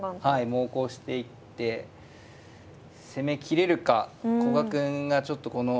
猛攻していって攻めきれるか古賀くんがちょっとこの。